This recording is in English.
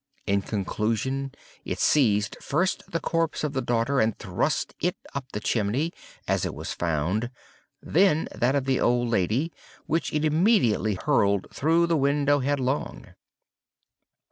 In conclusion, it seized first the corpse of the daughter, and thrust it up the chimney, as it was found; then that of the old lady, which it immediately hurled through the window headlong.